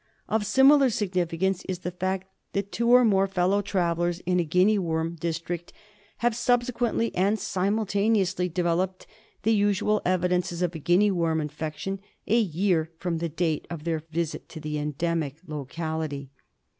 Of similar significance is the fact that two or more fellow travellers in a Guinea worm district have subsequently and simultaneously developed the usual evidences of a Guinea worm infection a year from the date of their visit to the endemic locality.